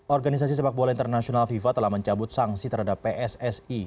organisasi sepak bola internasional fifa telah mencabut sanksi terhadap pssi